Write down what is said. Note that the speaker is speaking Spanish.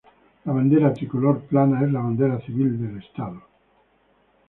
La bandera tricolor plana es la bandera civil del Estado.